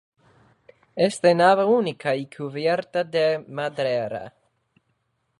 Es de nave única y cubierta de madera.